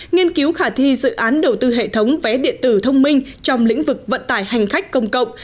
nghiên cứu khả thi dự án đầu tư hệ thống vé điện tử thông minh trong lĩnh vực vận tải hành khách công cộng